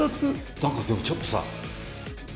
なんかでもちょっとさ。